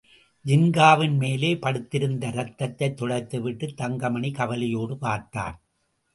ஜின்காவின் மேலே படிந்திருந்த ரத்தத்தைத் துடைத்துவிட்டுத் தங்கமணி கவலையோடு பார்த்தான்.